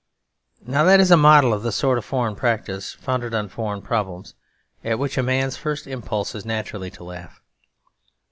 Now that is a model of the sort of foreign practice, founded on foreign problems, at which a man's first impulse is naturally to laugh.